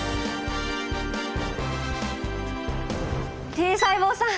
Ｔ細胞さん！